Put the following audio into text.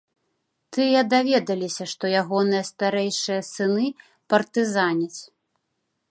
Тыя даведаліся, што ягоныя старэйшыя сыны партызаняць.